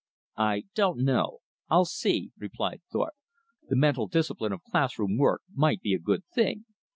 "I don't know; I'll see," replied Thorpe. "The mental discipline of class room work might be a good thing."